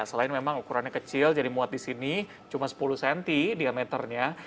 selain memang ukurannya kecil jadi muat di sini cuma sepuluh cm diameternya